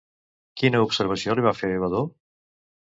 Quina observació li va fer Vadó?